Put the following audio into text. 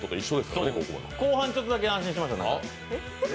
後半ちょっとだけ安心しましたね。